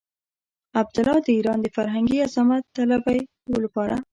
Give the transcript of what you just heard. عبدالله د ايران د فرهنګي عظمت طلبۍ لپاره.